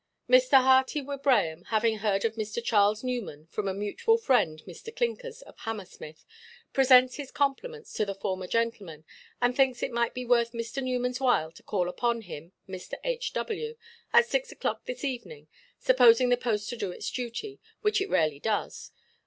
"Mr. Hearty Wibraham, having heard of Mr. Charles Newman from a mutual friend, Mr. Clinkers, of Hammersmith, presents his compliments to the former gentleman, and thinks it might be worth Mr. Newmanʼs while to call upon him, Mr. H. W., at six oʼclock this evening, supposing the post to do its duty, which it rarely does.